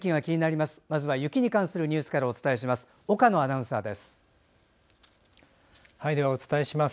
まずは雪に関するニュースからお伝えします。